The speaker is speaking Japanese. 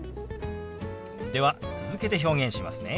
では続けて表現しますね。